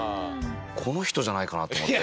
この人じゃないかな？と思って。